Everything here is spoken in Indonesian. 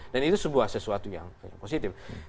dan itu sesuatu yang positif